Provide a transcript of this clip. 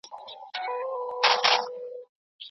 ولي کورني شرکتونه کرنیز ماشین الات له هند څخه واردوي؟